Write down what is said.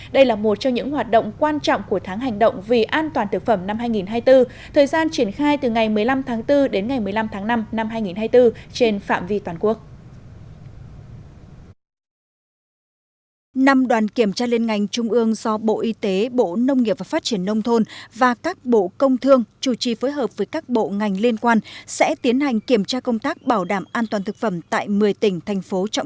đây là một trong những hoạt động quan trọng của tháng hành động vì an toàn thực phẩm năm hai nghìn hai mươi bốn thời gian triển khai từ ngày một mươi năm tháng bốn đến ngày một mươi năm tháng năm năm hai nghìn hai mươi bốn trên phạm vi toàn quốc